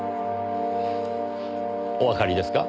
おわかりですか？